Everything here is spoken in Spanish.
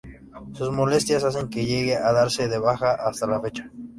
Sus molestias, hacen que llegue a darse de baja hasta la fecha.